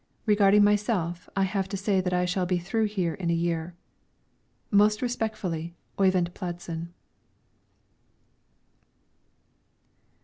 Regarding myself, I have to say that I shall be through here in a year. Most respectfully, OYVIND PLADSEN.